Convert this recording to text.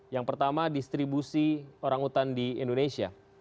yang pertama distribusi orangutan di indonesia